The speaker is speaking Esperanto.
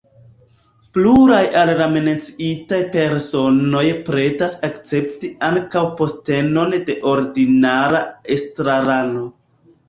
Pluraj el la menciitaj personoj pretas akcepti ankaŭ postenon de ordinara estrarano.